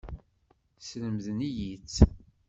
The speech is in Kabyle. Slemden-iyi-tt.